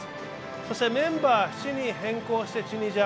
そしてメンバー７人変更してチュニジア。